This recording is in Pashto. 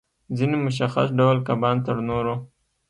ځینې مشخص ډول کبان تر نورو